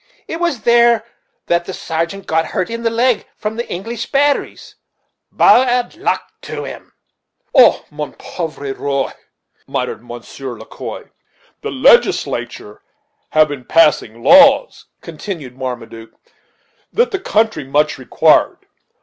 It was there that the sargeant got the hurt in the leg from the English batteries, bad luck to 'em." "Oh! mon pauvre roil" muttered Monsieur Le Quoi. "The Legislature have been passing laws," continued Marmaduke, "that the country much required.